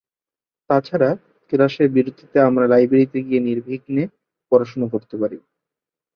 তাছাড়া, ক্লাসের বিরতিতে আমরা লাইব্রেরিতে গিয়ে নির্বিঘ্নে পড়াশুনা করতে পারি।